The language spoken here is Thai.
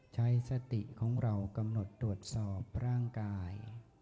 ใช้สติของเรากำหนดตรวจสอบร่างกาย